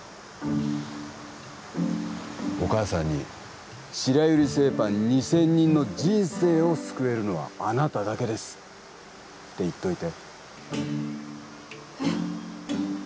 お母さんに白百合製パン２０００人の人生を救えるのはあなただけですって言っといてえっ？